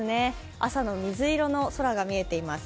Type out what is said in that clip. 朝の水色の空が見えています。